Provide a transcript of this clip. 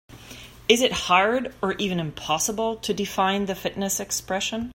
It is hard or even impossible to define the fitness expression.